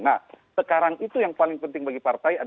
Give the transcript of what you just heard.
nah sekarang itu yang paling penting bagi partai